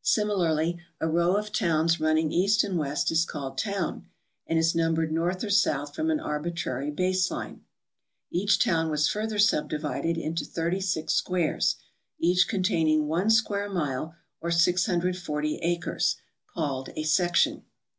Similarly a row of towns run ning east and west is called toivn, and is numbered north or south from an arbitrary base line. Each town was further subdivided into 36 squares, each containing one square mile, or 640 acres, called a section.